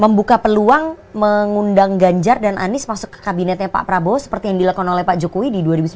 membuka peluang mengundang ganjar dan anies masuk ke kabinetnya pak prabowo seperti yang dilakukan oleh pak jokowi di dua ribu sembilan belas